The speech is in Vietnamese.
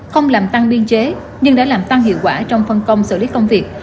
không làm tăng biên chế nhưng đã làm tăng hiệu quả trong phân công xử lý công việc